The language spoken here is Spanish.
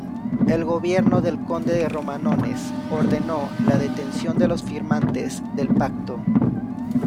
El gobierno del conde de Romanones ordenó la detención de los firmantes del Pacto.